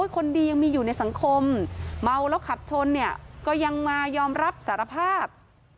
คนดียังมีอยู่ในสังคมเมาแล้วขับชนเนี่ยก็ยังมายอมรับสารภาพ